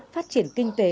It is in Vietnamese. phát triển kinh tế